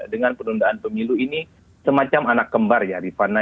dengan penundaan pemilu ini semacam anak kembar ya rifana